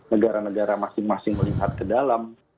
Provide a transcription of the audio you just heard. negara negara masing masing melihat ke dalam